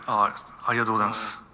ありがとうございます。